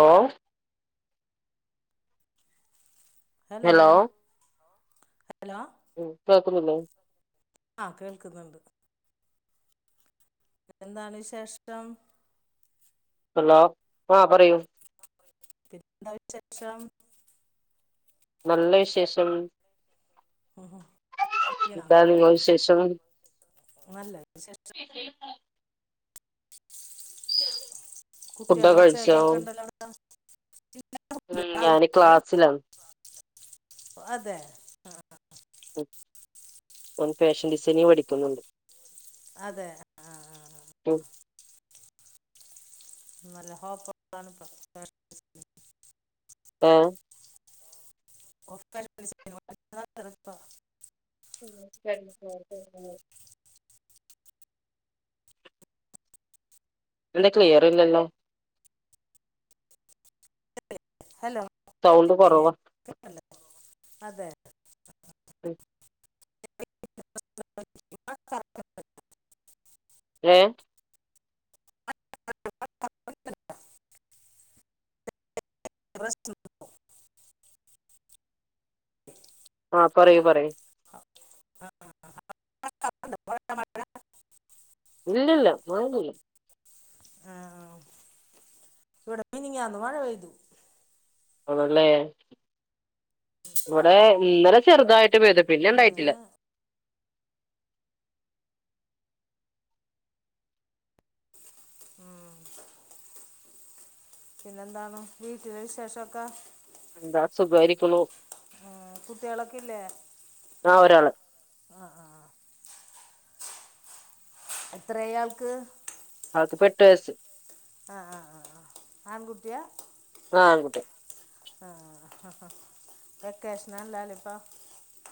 ഓ hello hello hello കേൾക്കുന്നില്ലേ ആ കേൾക്കുന്നുണ്ട് എന്താണ് വിശേഷം ഹലോ ആ പറയൂ പിന്നെന്താ വിശേഷം നല്ല വിശേഷം എന്താ നിങ്ങളെ വിശേഷം [inaudible] ഫുഡൊക്കെ കുട്ടിയുള്ടെ ഒച്ച കഴിച്ചോ കേക്ക്ണ്ടല്ലോ ഉം ഞാന് ക്ലാസ്സിലാണ് അതെ ആ [inaudible] ഓൻ ഫാഷൻ ഡിസൈനിങ് പഠിക്കുന്നുണ്ട് അതെ ആ, ആ, ആ. ഉം നല്ല [unintelligible] ഏ [unintelligible] [inaudible] എന്താ ക്ലിയർ ഇല്ലല്ലോ ഹലോ സൗണ്ട് കുറവാ [unintelligible] അതെ ഉം [unintelligible] ഏഹ് പ്പ റെസ്റ്റ് ആഹ് പറയൂ പറയൂ ആഹ് ആഹ് [unintelligible] ഇല്ലില്ല മാറില്ല ആഹ് മിനിഞാന്ന് മഴ പെയ്തു ആണല്ലേ ഇവിടെ ഇന്നലെ ചെറുതായിട്ട് പെയ്ത് ഇന്നാ ഉം പിന്നെന്താണ് വീട്ടില് വിശേഷ ഒക്കെ എന്താ ആഹ് സുഖയിരിക്കുന്നു ആഹ് കുട്ടികളൊക്കെ ഇല്ലേ ആ ഒരാള് ആഹ് ആഹ് എത്രയാൾക്ക് ആൾക്ക്പ്പോ എട്ട് വയസ്സ് ആഹ് ആഹ് ആഹ് ആൺകുട്ടിയാ ആഹ് ആൺകുട്ടി ആഹ് ആഹ് ഹ് വേക്കെഷണല്ലാലിപ്പോ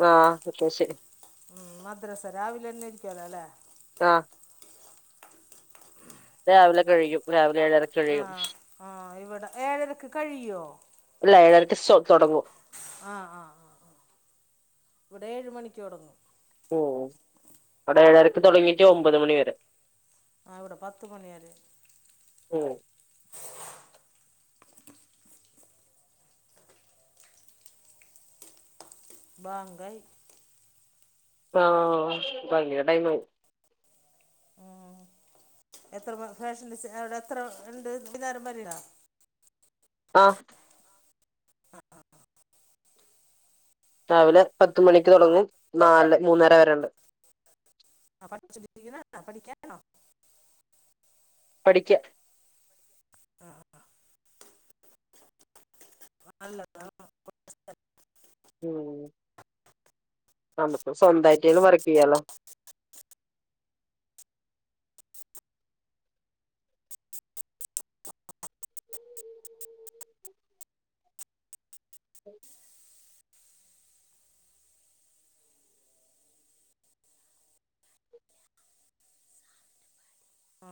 ആഹ് വെക്കേഷൻ ഉം മദ്രസ രാവിലെന്നെ അയിരിക്കുവാലോ അല്ലെ ആഹ് രാവിലെ കഴിയും രാവിലെ ഏഴരക് ആഹ് ആഹ് ഇവിടെ ഏഴരക്ക് കഴിയോ അല്ല ഏഴരക്ക് സൊ തുടങ്ങും ആഹ് ആഹ് ആഹ് ആഹ് ഇവിടെ ഏഴ് മണിക്ക് തുടങ്ങും ഓഹ് ഇവിടെ ഏഴരക്ക് തുടങ്ങിട്ട് ഒമ്പത് മണി വരെ ആഹ് ഇവിടെ പത്ത് മണിവരെ ഉം ബാങ്കൈ ആ ബാങ്കിന് ടൈമായി ഉം. എത്ര ഫാഷൻ ഡിസൈ അവടെ എത്രണ്ട് [unintelligible] ആഹ് രാവിലെ പത്ത് മണിക്ക് തൊടങ്ങും നാല് മൂന്നര വരെണ്ട് ആ [unintelligible] പഠിക്കാണോ പഠിക്ക [unintelligible] ഉം നമ്മക്ക് സ്വന്തായിട്ടേലും വർക്കെയ്യാലോ ആ